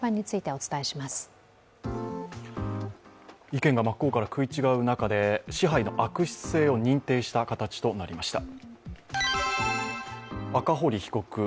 意見が真っ向から食い違う中で支配の悪質性を認定した形となりました。